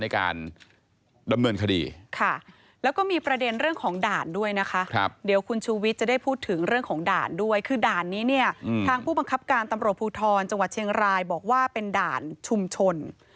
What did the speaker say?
คือด่านนี้เนี่ยทางผู้บังคับการตำรวจภูทรจังหวัดเชียงรายบอกว่าเป็นด่านชุมชน